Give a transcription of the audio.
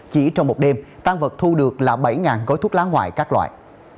chỉ trong một đêm tan vật thu được là bảy gói thuốc lá ngoại các loại